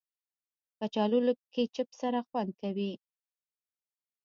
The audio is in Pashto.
کچالو له کیچپ سره خوند کوي